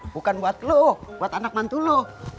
bukan buat lo buat anak mantu lo